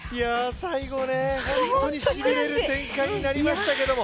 最後本当にしびれる展開になりましたけれども。